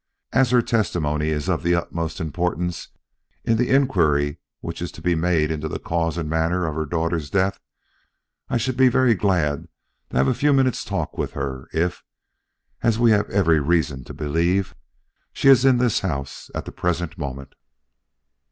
As her testimony is of the utmost importance in the inquiry which is to be made into the cause and manner of her daughter's death, I should be very glad to have a few minutes' talk with her if, as we have every reason to believe, she is in this house at the present moment."